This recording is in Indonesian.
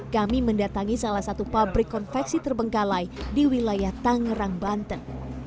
kami mendatangi salah satu pabrik konveksi terbengkalai di wilayah tangerang banten